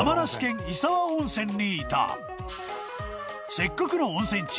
［せっかくの温泉地